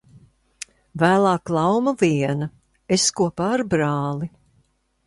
Vēlāk Lauma viena, es kopā ar brāli.